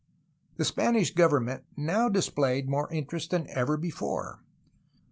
The Spanish government now displayed more interest than ever before.